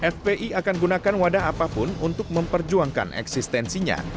fpi akan gunakan wadah apapun untuk memperjuangkan eksistensinya